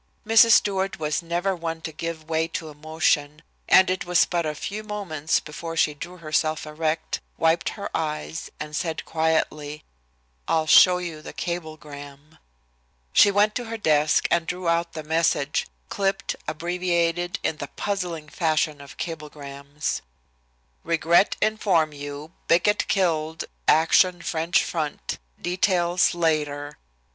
Mrs. Stewart was never one to give way to emotion, and it was but a few moments before she drew herself erect, wiped her eyes, and said quietly: "I'll show you the cablegram." She went to her desk, and drew out the message, clipped, abbreviated in the puzzling fashion of cablegrams: "Regret inform you, Bickett killed, action French front. Details later."